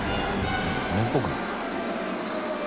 船っぽくない？